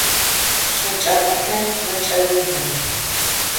Слъэкӏапӏэхэр мэкӏэзэзы.